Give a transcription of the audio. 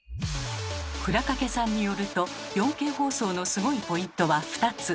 倉掛さんによると４Ｋ放送のスゴいポイントは２つ。